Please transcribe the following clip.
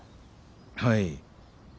はい。